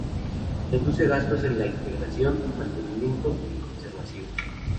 Reduce gastos en la integración, mantenimiento y conservación.